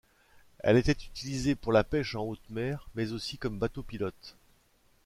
Elle était utilisée pour la pêche en haute mer, mais aussi comme bateau-pilote.